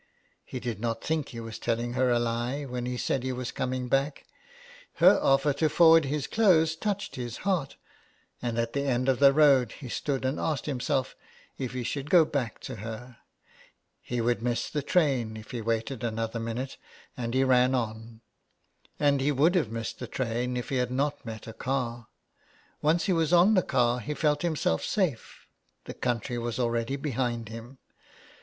He did not think he was telling her a lie when he said he was coming back. Her offer to forward his clothes touched his heart, and at the end of the road he stood and asked himself if he should go back to her. He would miss the train if he waited another minute, and he ran on. And he would have missed the train if he had not met a car. Once he was on the car he felt himselt safe — the country was already behind him.